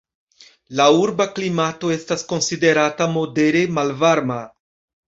La urba klimato estas konsiderata modere malvarma.